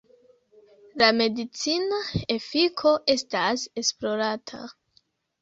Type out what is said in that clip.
La medicina efiko estas esplorata.